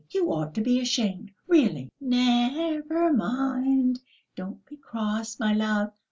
You ought to be ashamed, really!" "Never mind, don't be cross, my love.